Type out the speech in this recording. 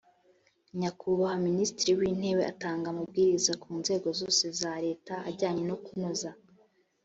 nyakubahwa minisitiri w intebe atanga amabwiriza ku nzego zose za leta ajyanye no kunoza